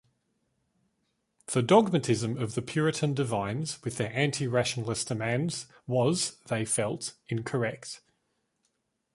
The dogmatism of the Puritan divines, with their anti-rationalist demands, was, they felt, incorrect.